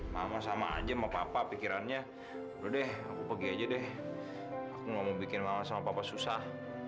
sama sama aja mau papa pikirannya udah deh aku pergi aja deh aku mau bikin sama sama susah